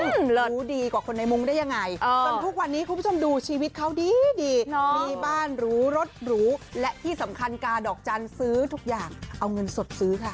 รู้ดีกว่าคนในมุ้งได้ยังไงจนทุกวันนี้คุณผู้ชมดูชีวิตเขาดีดีมีบ้านหรูรถหรูและที่สำคัญกาดอกจันทร์ซื้อทุกอย่างเอาเงินสดซื้อค่ะ